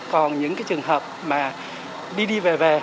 còn những trường hợp mà đi đi về về